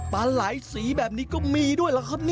ปลาไหล่สีแบบนี้ก็มีด้วยล่ะครับ